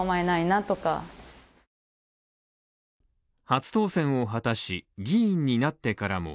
初当選を果たし、議員になってからも